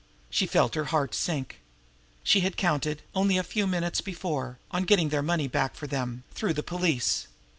She felt her heart sink. She had counted, only a few moments before, on getting their money back for them through the police.